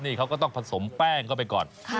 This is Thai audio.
นี่เขาก็ต้องผสมแป้งเข้าไปก่อน